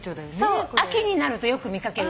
そう秋になるとよく見掛ける。